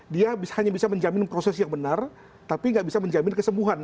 dia hanya bisa menjamin proses yang benar tapi nggak bisa menjamin kesembuhan